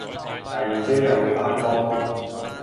第二朝又要返工